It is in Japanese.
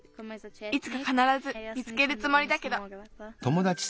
いつかかならず見つけるつもりだけど。